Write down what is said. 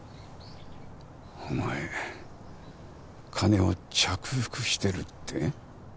お前金を着服してるって？